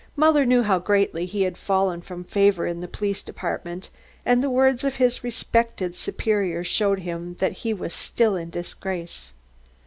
Muller knew how greatly he had fallen from favour in the Police Department, and the words of his respected superior showed him that he was still in disgrace.